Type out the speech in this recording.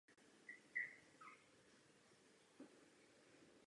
Klub je jedním z pěti egyptských klubů s největším počtem fanoušků.